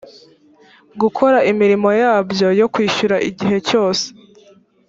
gukora imirimo yabyo yo kwishyura igihe cyose